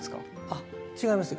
あっ違います。